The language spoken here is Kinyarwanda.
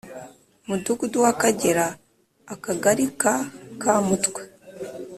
Mudugudu w akagera akagari ka kamutwa